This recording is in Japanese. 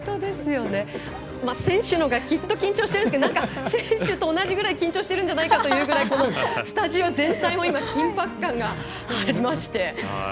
選手のほうがきっと緊張してるんですけど選手と同じくらい緊張しているんじゃないかというスタジオ全体も緊迫感がありまして。